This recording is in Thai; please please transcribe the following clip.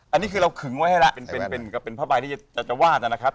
อันนี้คือเราขึงไว้ให้แล้วเป็นผ้าใบที่จะวาดนะครับ